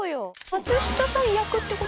松下さん役って事？